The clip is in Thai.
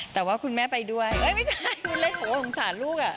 แต่ว่าคุณแม่ไปด้วยไม่ใช่โอ้โหสนุกอ่ะ